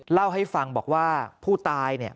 เล่าให้ฟังบอกว่าผู้ตาย